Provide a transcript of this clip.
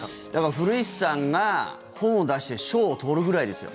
古市さんが本を出して賞を取るぐらいですよ。